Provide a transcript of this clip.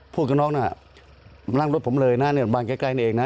กับน้องน่ะนั่งรถผมเลยนะเนี่ยบ้านใกล้นี่เองนะ